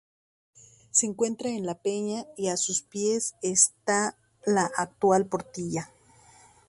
Se encuentra en la peña y a sus pies está la actual Portilla.